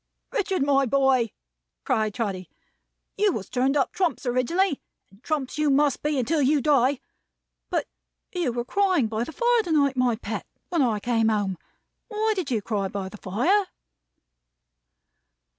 "Richard, my boy!" cried Trotty. "You was turned up Trumps originally, and Trumps you must be until you die! But you were crying by the fire to night, my pet, when I came home. Why did you cry by the fire?"